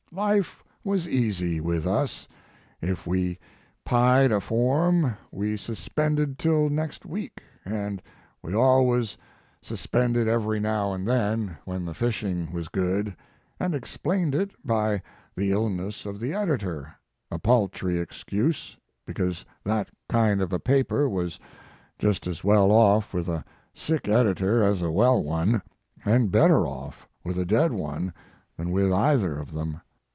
"Life was easy with us; if we pied a form we suspended till next week, and we always suspended every now and then when the fishing was good, and explained it by the illness of the editor, a paltry excuse, because that kind of a paper was just as well off with a sick editor as a well one, and better off with a dead one than with either of them.